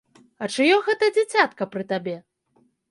А чыё гэта дзіцятка пры табе?